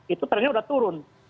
itu trennya udah turun